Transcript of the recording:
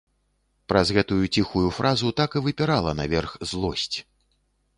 Праз гэтую ціхую фразу так і выпірала наверх злосць.